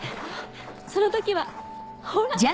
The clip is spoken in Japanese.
その時はほら！